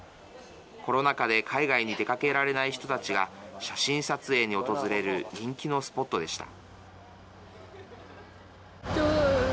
コロナ禍で海外に出かけられない人たちが写真撮影に訪れる人気のスポットでした。